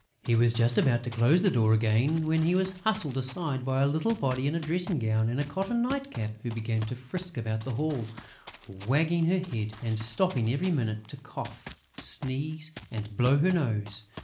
He was just about to close the door again, when he was hustled aside by a little body in a dressing gown and a cotton night cap, who began to frisk about the hall, wagging her head and stopping every minute to cough, sneeze and blow her nose